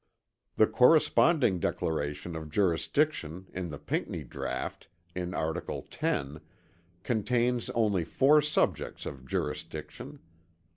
The corresponding declaration of jurisdiction in the Pinckney draught in article 10 contains only four subjects of jurisdiction.